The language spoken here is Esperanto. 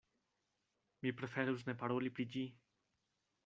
Mi preferus ne paroli pri ĝi.